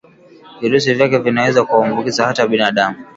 virusi vyake vinaweza kuambukiza hata binadamu